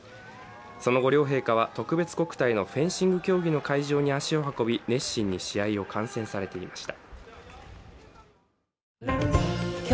その後、両陛下は特別国体のフェンシング競技の会場に足を運び、熱心に試合を観戦されていました。